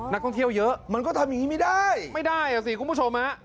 นักท่องเที่ยวเยอะมันก็ทำอย่างนี้ไม่ได้ไม่ได้อ่ะสิคุณผู้ชมฮะ